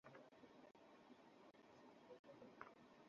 আর এটা চার সপ্তাহ আগে করেছিলাম।